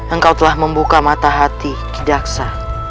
engkau telah membuka mata hati kidaksa